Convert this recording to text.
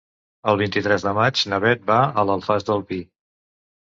El vint-i-tres de maig na Beth va a l'Alfàs del Pi.